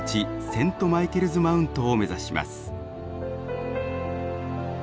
セント・マイケルズ・マウントを目指します。